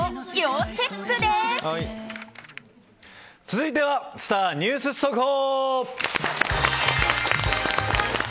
続いてはスター☆ニュース速報！